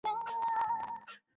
আবার এসে গেছে শালারা রেইড মারতে!